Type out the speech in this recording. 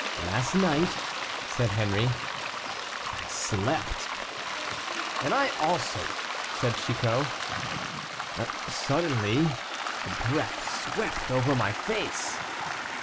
"Last night," said Henri, "I slept " "And I also," said Chicot. "Suddenly a breath swept over my face."